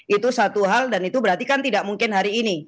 itu satu hal dan itu berarti kan tidak mungkin hari ini